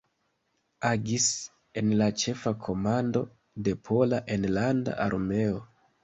Agis en la Ĉefa Komando de Pola Enlanda Armeo.